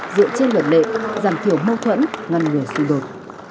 dựa trên luật lệ giảm thiểu mâu thuẫn ngăn ngừa xung đột